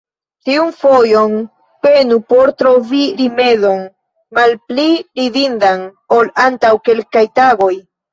Tiun fojon, penu por trovi rimedon malpli ridindan, ol antaŭ kelkaj tagoj!